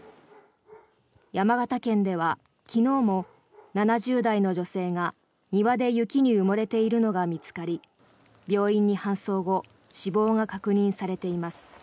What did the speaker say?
山形県では昨日も７０代の女性が庭で雪に埋もれているのが見つかり病院に搬送後死亡が確認されています。